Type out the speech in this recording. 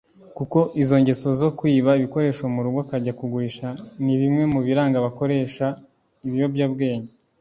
kuko izo ngeso zo kwiba ibikoresho mu rugo akajya kugurisha ni bimwe mu biranga abakoresha ibiyobyabwenge